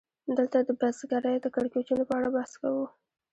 دلته د بزګرۍ د کړکېچونو په اړه بحث کوو